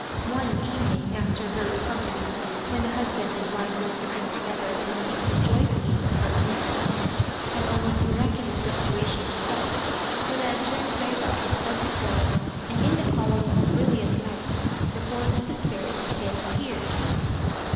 One evening after her recovery, when the husband and wife were sitting together and speaking joyfully of her unexpected and almost miraculous restoration to health, the lantern flared up as before and in the column of brilliant light the form of the spirit again appeared.